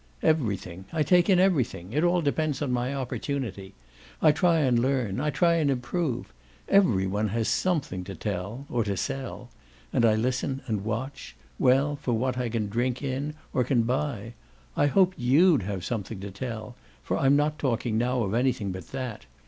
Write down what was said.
"Everything! I take in everything. It all depends on my opportunity. I try and learn I try and improve. Every one has something to tell or to sell; and I listen and watch well, for what I can drink in or can buy. I hoped YOU'D have something to tell for I'm not talking now of anything but THAT.